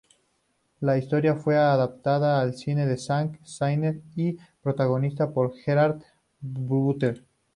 La historieta fue adaptada al cine por Zack Snyder y protagonizada por Gerard Butler.